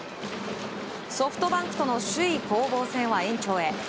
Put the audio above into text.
ソフトバンクとの首位攻防戦は延長へ。